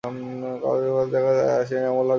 ফলে তার জায়গায় দলে আসেন এনামুল হক বিজয়।